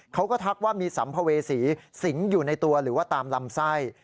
ทักว่ามีสัมภเวษีสิงอยู่ในตัวหรือว่าตามลำไส้